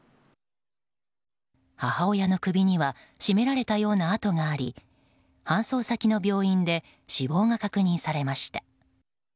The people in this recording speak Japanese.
母親の首には絞められたような跡があり搬送先の病院で死亡が確認されました。